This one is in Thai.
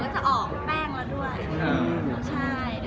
มีสักแป๊คไหมคะ